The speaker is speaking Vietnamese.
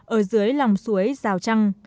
ở dưới lòng suối rào trăng